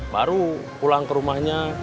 baru pulang ke rumahnya